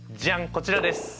こちらです。